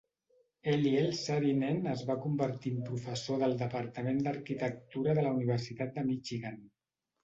Eliel Saarinen es va convertir en professor del departament d'arquitectura de la Universitat de Michigan.